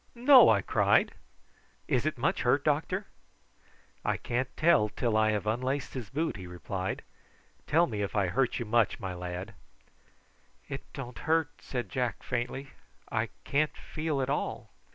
No!" I cried. "Is it much hurt, doctor?" "I can't tell till I have unlaced his boot," he replied. "Tell me if I hurt you much, my lad." "It don't hurt," said Jack faintly. "I can't feel at all."